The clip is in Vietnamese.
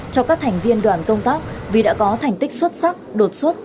cho các thành viên đoàn công tác vì đã có thành tích xuất sắc đột xuất